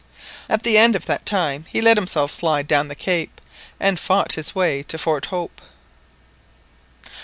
At the end of that time he let himself slide down the cape, and fought his way to Fort Hope.